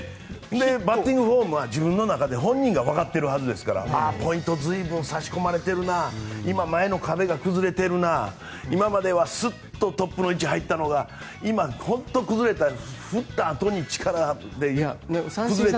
バッティングフォームは自分の中で本人がわかっているはずですからポイントが随分、差し込まれているな今、前の壁が崩れているな今まではすっとトップの位置に入っていたのが今、本当に崩れた打ったあとに力が崩れて。